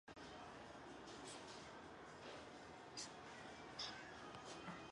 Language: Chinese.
桂林运用车间的前身为桂林机务段。